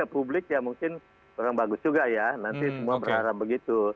publik ya mungkin orang bagus juga ya nanti semua berharap begitu